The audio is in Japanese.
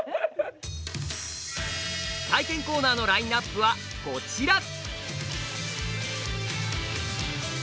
体験コーナーのラインナップはこちら。